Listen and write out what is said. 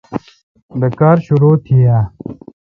بہ کار شرو تھی اؘ۔